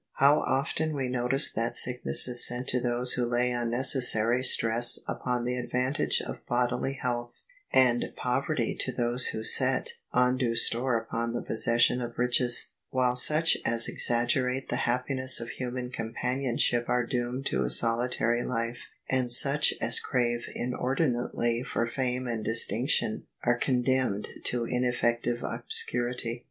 How often we notice that sickness is sent to those who lay unnecessary stress upon the advantage of bodily health, and poverty to those who set undue store upon the possession of riches: while such as exaggerate the happiness of human companion ship are doomed to a solitary life, and such as crave inordi nately for fame and distinction are condemned to ineffective obscurity.